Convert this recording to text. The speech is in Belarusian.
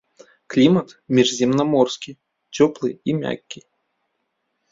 Клімат міжземнаморскі, цёплы і мяккі.